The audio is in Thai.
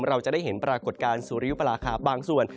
เราจะได้เห็นปรากฏการณ์สุริยุปราคาบางส่วน